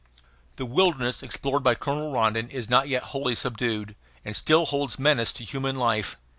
The wilderness explored by Colonel Rondon is not yet wholly subdued, and still holds menace to human life.